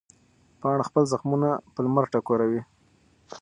پاڼه خپل زخمونه په لمر ټکوروي.